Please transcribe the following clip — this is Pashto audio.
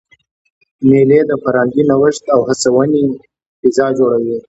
مېلې د فرهنګي نوښت او هڅوني فضا جوړوي.